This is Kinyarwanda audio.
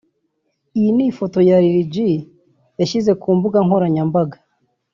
Iyi ni ifoto Lil G yashyize ku mbuga nkoranyambaga